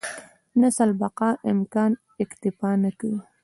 نسل بقا امکان اکتفا نه کوي.